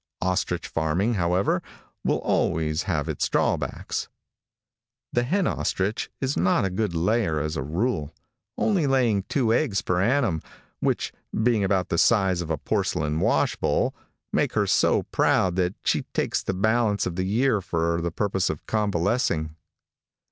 Ostrich farming, however, will always have its drawbacks. The hen ostrich is not a good layer as a rule, only laying two eggs per annum, which, being about the size of a porcelain wash bowl, make her so proud that she takes the balance of the year for the purpose of convalescing.